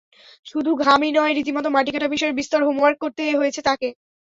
শুধু ঘামই নয়, রীতিমতো মাটি কাটা বিষয়ে বিস্তর হোমওয়ার্ক করতে হয়েছে তাঁকে।